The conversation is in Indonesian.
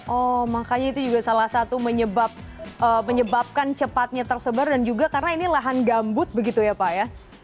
oh makanya itu juga salah satu menyebabkan cepatnya tersebar dan juga karena ini lahan gambut begitu ya pak ya